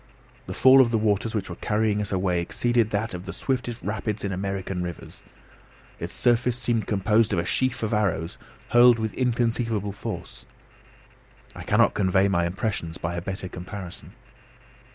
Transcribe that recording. The fall of the waters which were carrying us away exceeded that of the swiftest rapids in American rivers. Its surface seemed composed of a sheaf of arrows hurled with inconceivable force; I cannot convey my impressions by a better comparison.